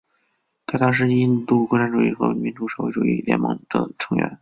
该党是印度共产主义者和民主社会主义者联盟的成员。